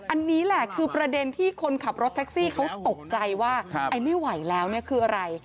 อันนี้แหละคือประเด็นที่คนขับรถแท็กซี่เขาตกใจว่าไอ้ไม่ไหวแล้วเนี่ยคืออะไร